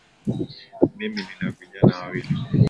Mimi nina vijana wawili